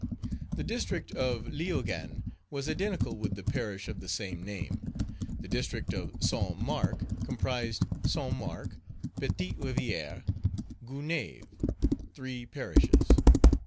The District of Léogane was identical with the parish of the same name. The District of Saint Marc comprised Saint Marc, Petite Rivière, Gonaïves, three parishes.